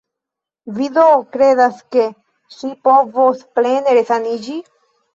Vi do kredas, ke ŝi povos plene resaniĝi?